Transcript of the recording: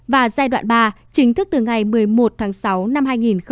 và giai đoạn ba chính thức từ ngày một mươi một tháng sáu năm hai nghìn hai mươi